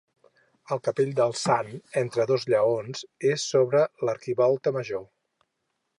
El capell del sant entre dos lleons és sobre l'arquivolta major.